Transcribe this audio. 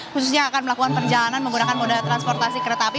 khususnya yang akan melakukan perjalanan menggunakan moda transportasi kereta api